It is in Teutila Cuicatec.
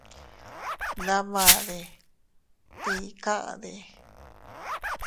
Ndamade ¿tii kade?